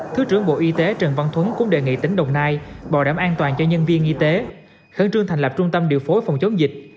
thứ trưởng bộ y tế trần văn thuấn cũng đề nghị tỉnh đồng nai bảo đảm an toàn cho nhân viên y tế khẩn trương thành lập trung tâm điều phối phòng chống dịch